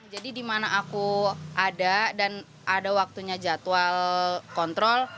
jadi di mana aku ada dan ada waktunya jadwal kontrol